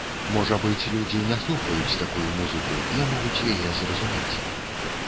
Можа быць, людзі не слухаюць такую музыку, не могуць яе зразумець.